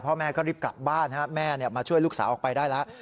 พ่อแม่ก็รีบกลับบ้านแม่มาช่วยลูกสาวออกไปได้แล้ว